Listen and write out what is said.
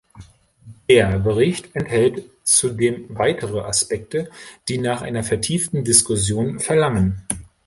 Der Bericht enthält zudem weitere Aspekte, die nach einer vertieften Diskussion verlangen.